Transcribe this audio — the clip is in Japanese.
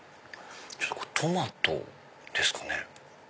トマトですかね。